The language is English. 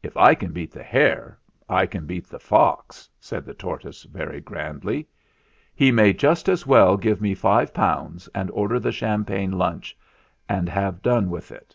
'If I can beat the hare, I can beat the fox/ said the tortoise very grandly. ' He may just as well give me five pounds and order the champagne lunch, and have done with it.'